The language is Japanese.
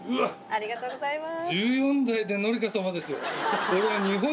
ありがとうございます。